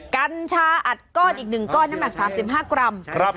กัญชาอัดก้อนอีก๑ก้อนน้ำหนัก๓๕กรัม